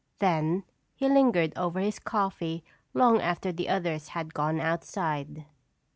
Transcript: Then he lingered over his coffee long after the others had gone outside.